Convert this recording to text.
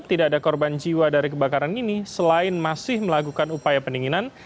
tidak ada korban jiwa dari kebakaran ini selain masih melakukan upaya pendinginan